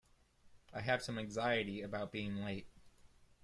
I have some anxiety about being late.